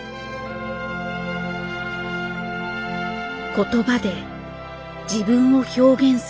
言葉で自分を表現する。